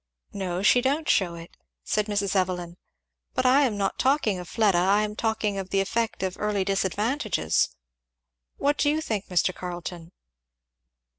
"No, she don't shew it," said Mrs. Evelyn, "but I am not talking of Fleda I am talking of the effect of early disadvantages. What do you think, Mr. Carleton?"